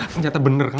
menjata bener kan